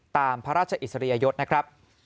ตามพระราชอิสริยยศนะครับ